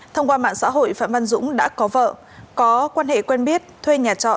thông qua mạng xã hội phạm văn dũng đã có vợ có quan hệ quen biết thuê nhà trọ